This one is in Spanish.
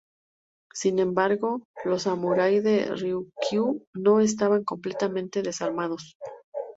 Sin embargo, los samurái de Ryūkyū no estaban completamente desarmados.